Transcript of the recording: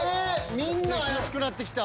みんな怪しくなってきた。